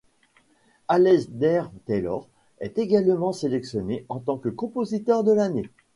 Alasdair Taylor est également sélectionné en tant que compositeur de l'année.